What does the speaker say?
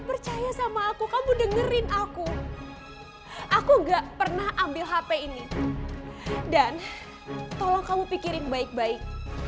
percaya sama aku kamu dengerin aku aku enggak pernah ambil hp ini dan tolong kamu pikirin baik baik